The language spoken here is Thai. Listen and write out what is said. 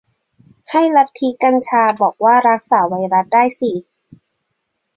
ให้ลัทธิกัญชาบอกว่ารักษาไวรัสได้สิ